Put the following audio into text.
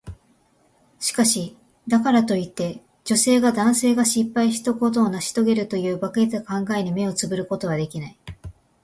しかし、だからといって、女性が男性が失敗したことを成し遂げるという馬鹿げた考えに目をつぶることはできない。